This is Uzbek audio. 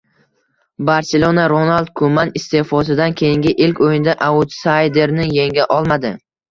“Barselona” Ronald Kuman iste’fosidan keyingi ilk o‘yinda autsayderni yenga olmadi